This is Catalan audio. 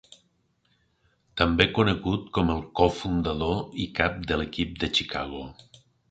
També conegut com el cofundador i cap de l'equip de Chicago.